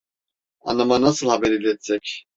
Anama nasıl haber iletsek.